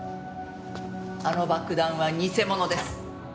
あの爆弾は偽物です。